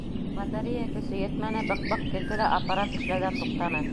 Батарея көсө етмәне, быҡ-быҡ килде лә аппарат эшләүҙән туҡтаны.